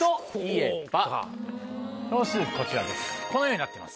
票数こちらです